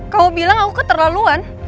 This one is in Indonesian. kamu bilang aku keterlaluan